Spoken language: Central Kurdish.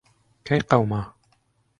کەی قەوما؟